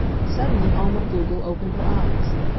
Suddenly Alma Pflugel opened her eyes.